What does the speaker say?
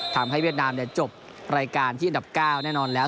เวียดนามจบรายการที่อันดับ๙แน่นอนแล้ว